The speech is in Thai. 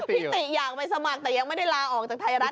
ติอยากไปสมัครแต่ยังไม่ได้ลาออกจากไทยรัฐ